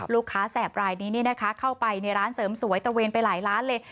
ลูกค้าแสบรายนี้นี่นะคะเข้าไปในร้านเสริมสวยตระเวนไปหลายร้านเลย